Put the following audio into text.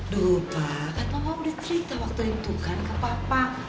duh bakat mama udah cerita waktu itu kan ke papa